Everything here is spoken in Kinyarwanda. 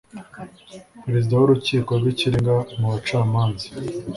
Perezida w Urukiko rw Ikirenga mu bacamanza